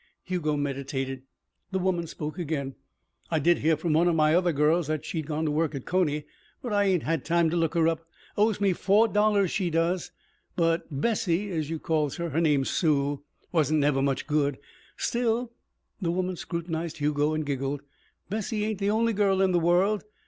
Hugo meditated. The woman spoke again. "I did hear from one of my other girls that she'd gone to work at Coney, but I ain't had time to look her up. Owes me four dollars, she does. But Bessie, as you calls her her name's Sue wasn't never much good. Still " the woman scrutinized Hugo and giggled "Bessie ain't the only girl in the world.